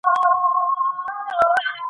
چې ژوند ته خوند ورکوي.